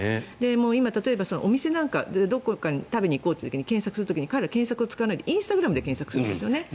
今、例えばお店なんかどこか食べに行こうと検索する時に彼らは検索を使わないでインスタグラムで検索をするんですよね。